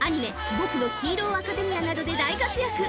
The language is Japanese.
『僕のヒーローアカデミア』などで大活躍